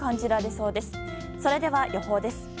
それでは、予報です。